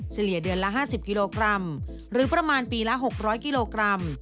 เลี่ยเดือนละ๕๐กิโลกรัมหรือประมาณปีละ๖๐๐กิโลกรัม